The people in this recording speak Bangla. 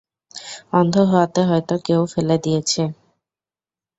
অন্ধ হওয়াতে হয়তো কেউ ফেলে দিয়েছে।